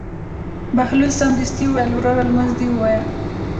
بهلول سمدستي وویل: وروره لمونځ دې ووایه.